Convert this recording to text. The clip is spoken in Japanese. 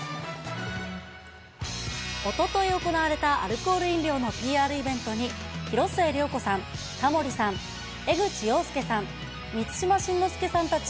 おととい行われたアルコール飲料のＰＲイベントに、広末涼子さん、タモリさん、江口洋介さん、満島真之介さんたち